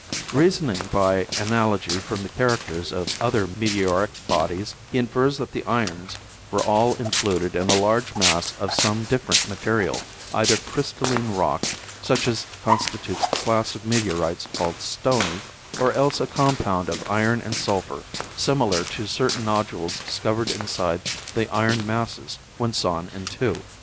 "Reasoning by analogy from the characters of other meteoric bodies, he infers that the irons were all included in a large mass of some different material, either crystalline rock, such as constitutes the class of meteorites called 'stony,' or else a compound of iron and sulphur, similar to certain nodules discovered inside the iron masses when sawn in two.